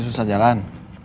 masih susah jalan